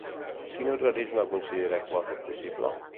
Quin organisme considera que ho pot fer possible?